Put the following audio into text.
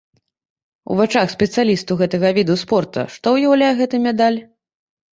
У вачах спецыялістаў гэтага віду спорту што ўяўляе гэты медаль?